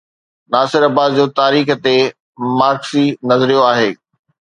ناصر عباس جو تاريخ تي مارڪسي نظريو آهي.